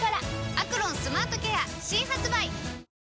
「アクロンスマートケア」新発売！